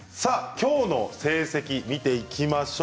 きょうの成績を見ていきましょう。